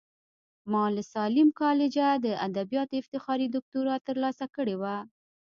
ما له ساليم کالجه د ادبياتو افتخاري دوکتورا ترلاسه کړې وه.